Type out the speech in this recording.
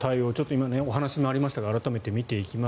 今、お話にもありましたが改めて見ていきます。